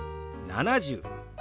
７０。